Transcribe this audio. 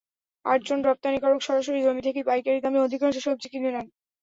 আটজন রপ্তানিকারক সরাসরি জমি থেকেই পাইকারি দামে অধিকাংশ সবজি কিনে নেন।